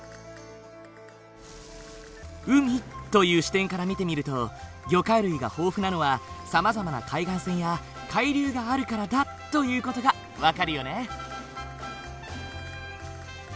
「海」という視点から見てみると魚介類が豊富なのはさまざまな海岸線や海流があるからだという事が分かるよね。